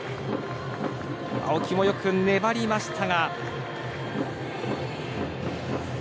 青木もよく粘りましたが。